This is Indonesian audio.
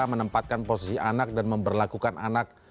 menempatkan posisi anak dan memperlakukan anak